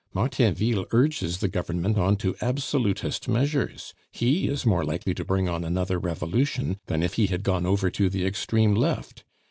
Martainville urges the Government on to Absolutist measures; he is more likely to bring on another Revolution than if he had gone over to the extreme Left.